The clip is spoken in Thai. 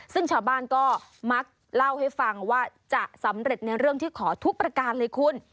ซึ่งชาวบ้านก็มักเล่าให้ฟังว่าจะสำเร็จในเรื่องที่ขอทุกประการเลยคุณ